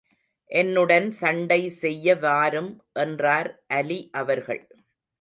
என்னுடன் சண்டை செய்ய வாரும் என்றார் அலி அவர்கள்.